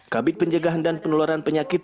kabin penjagaan dan peneloran penyakit